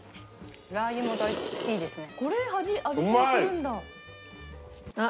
ラー油もいいですね。